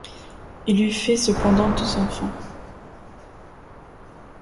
Il lui fait cependant deux enfants.